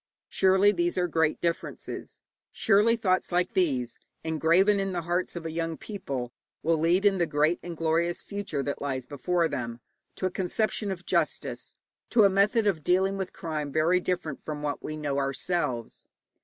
Surely these are great differences, surely thoughts like these, engraven in the hearts of a young people, will lead, in the great and glorious future that lies before them, to a conception of justice, to a method of dealing with crime, very different from what we know ourselves.